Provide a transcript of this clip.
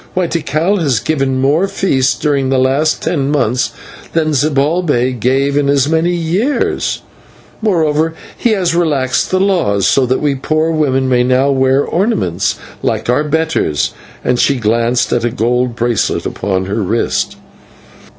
Why, Tikal has given more feasts during the last ten months than Zibalbay gave in as many years; moreover, he has relaxed the laws so that we poor women may now wear ornaments like our betters;" and she glanced at a gold bracelet upon her wrist.